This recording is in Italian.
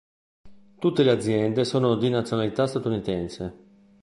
Tutte le aziende sono di nazionalità statunitense.